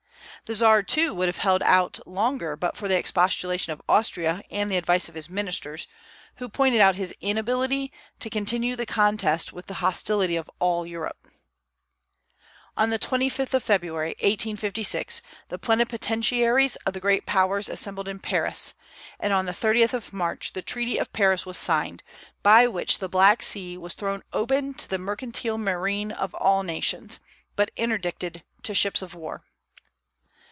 The Czar, too, would have held out longer but for the expostulation of Austria and the advice of his ministers, who pointed out his inability to continue the contest with the hostility of all Europe. On the 25th of February, 1856, the plenipotentiaries of the great Powers assembled in Paris, and on the 30th of March the Treaty of Paris was signed, by which the Black Sea was thrown open to the mercantile marine of all nations, but interdicted to ships of war.